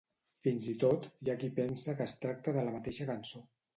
Fins i tot hi ha qui pensa que es tracta de la mateixa cançó.